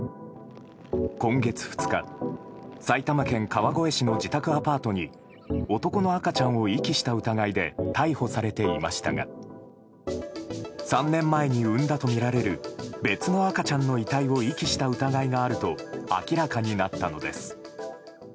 今月２日、埼玉県川越市の自宅アパートに男の赤ちゃんを遺棄した疑いで逮捕されていましたが３年前に産んだとみられる別の赤ちゃんの遺体を遺棄した疑いがあると明らかになったのです。